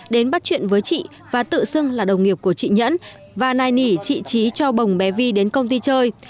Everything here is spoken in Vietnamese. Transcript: đến bắt chuyện với chị và tự xưng là đồng nghiệp của chị nhẫn và nài nỉ chị trí cho bồng bé vi đến công ty chơi